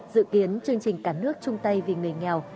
dự kiến chương trình cả nước chung tay vì người nghèo